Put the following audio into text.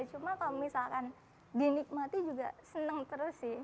cuma kalau misalkan dinikmati juga senang terus sih